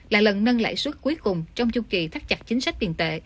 là lần nâng lãi suất cuối cùng trong chung kỳ thắt chặt chính sách tiền tệ